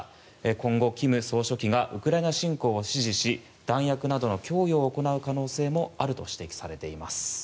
今後、金総書記がウクライナ侵攻を支持し弾薬などの供与を行う可能性もあると指摘されています。